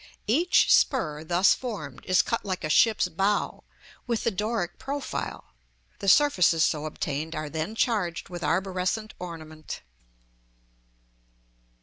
Each spur, thus formed, is cut like a ship's bow, with the Doric profile; the surfaces so obtained are then charged with arborescent ornament.